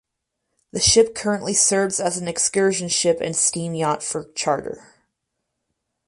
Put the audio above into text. The ship currently serves as an excursion ship and steam yacht for charter.